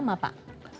kalau secara kondisinya